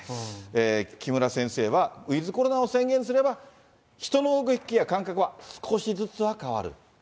木村先生は、ウィズコロナを宣言すれば、人の動きや感覚は少しずつは変わる。